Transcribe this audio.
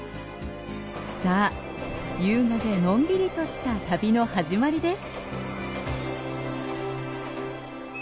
さあ、優雅でのんびりとした旅の始まりです。